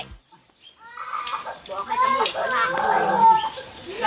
ผมจุ่มแล้ว